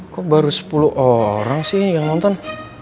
kok baru sepuluh orang sih yang nonton